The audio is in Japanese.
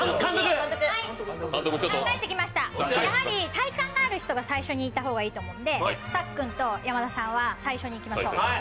体幹がある人が最初に行った方がいいのでさっくんと山田さんは最初に行きましょう。